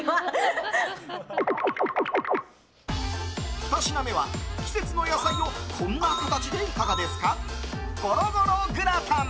ふた品目は、季節の野菜をこんな形でいかがですか？